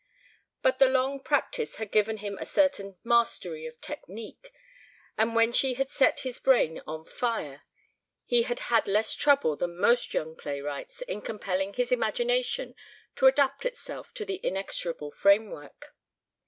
But the long practice had given him a certain mastery of technique, and when she had set his brain on fire he had had less trouble than most young playwrights in compelling his imagination to adapt itself to the inexorable framework.